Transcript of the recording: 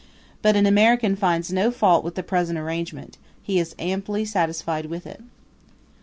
But an American finds no fault with the present arrangement; he is amply satisfied with it.